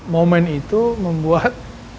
momen itu membuat